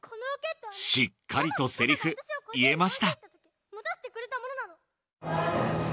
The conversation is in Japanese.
しっかりとセリフ言えました